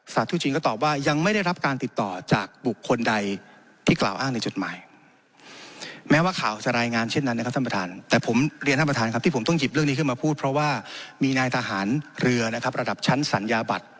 ทุกชิ้นก็ตอบว่ายังไม่ได้รับการติดต่อจากบุคคลใดที่กล่าวอ้างในจดหมาย